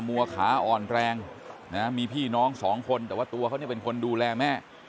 วัวขาอ่อนแรงนะมีพี่น้องสองคนแต่ว่าตัวเขาเนี่ยเป็นคนดูแลแม่